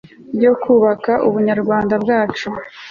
yo kubaka ubunyarwanda bwacu